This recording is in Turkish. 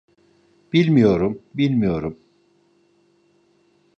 Bilmiyorum, bilmiyorum.